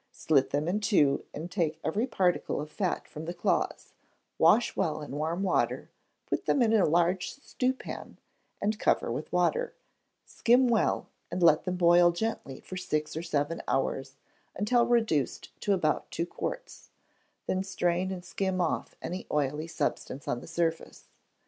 Slit them in two, and take every particle of fat from the claws; wash well in warm water, put them in a large stewpan, and cover with water; skim well, and let them boil gently for six or seven hours, until reduced to about two quarts, then strain and skim off any oily substance on the surface.